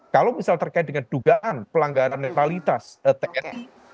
kalau misal terkait dengan dugaan pelanggaran netralitas tni